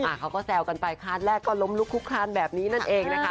เขาก็แซวกันไปคาร์ดแรกก็ล้มลุกคุกคลานแบบนี้นั่นเองนะคะ